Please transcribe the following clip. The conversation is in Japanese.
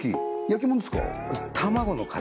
焼き物ですか？